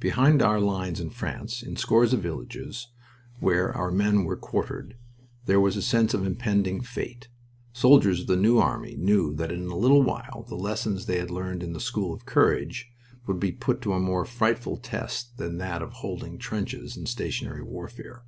Behind our lines in France, in scores of villages where our men were quartered, there was a sense of impending fate. Soldiers of the New Army knew that in a little while the lessons they had learned in the School of Courage would be put to a more frightful test than that of holding trenches in stationary warfare.